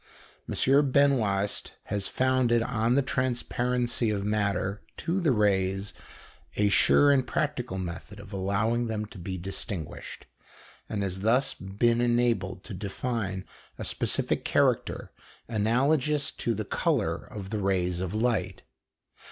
M. Benoist has founded on the transparency of matter to the rays a sure and practical method of allowing them to be distinguished, and has thus been enabled to define a specific character analogous to the colour of the rays of light.